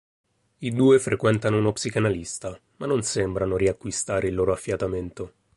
I due frequentano uno psicanalista, ma non sembrano riacquistare il loro affiatamento.